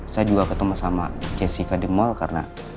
saya juga ketemu sama jessica di mall karena